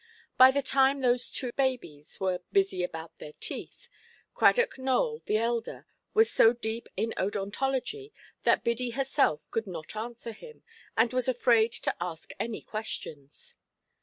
By the time those two pretty babies were "busy about their teeth", Cradock Nowell the elder was so deep in odontology, that Biddy herself could not answer him, and was afraid to ask any questions.